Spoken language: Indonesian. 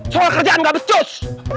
soal kerjaan gak becos